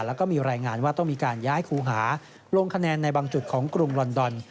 แล้วก็มีรายงานว่าต้องมีการย้ายครูหาลงคะแนนในบางจุดของกรุงลอนดอน